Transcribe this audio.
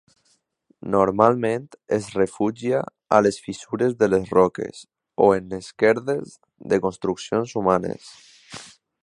Normalment es refugia a les fissures de les roques o en esquerdes de construccions humanes.